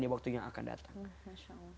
di waktu yang akan datang